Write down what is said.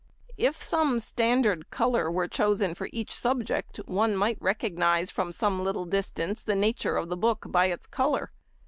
If some standard colour were chosen for each subject, one might recognize from some little distance the nature of the book by its colour.